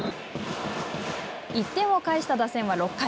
１点を返した打線は６回。